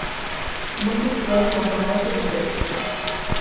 Monte situado na parroquia de Queixa.